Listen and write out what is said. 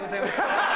ハハハ！